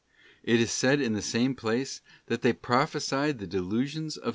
§ It is said in the same place that they prophesied the delusions of their * Num.